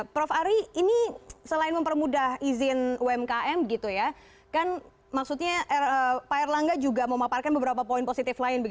prof ari ini selain mempermudah izin umkm pak erlangga juga memaparkan beberapa poin positif lain